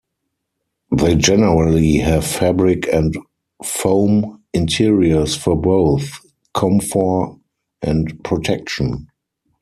They generally have fabric and foam interiors for both comfort and protection.